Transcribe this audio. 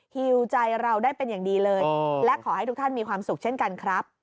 ฮิวใจเราได้เป็นอย่างดีเลยและขอให้ทุกท่านมีความสุขเช่นกันครับ